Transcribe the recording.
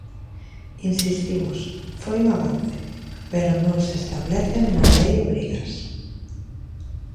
Insistimos, foi un avance pero non se establecen na lei obrigas.